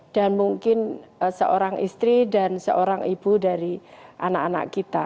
dan mungkin seorang istri dan seorang ibu dari anak anak kita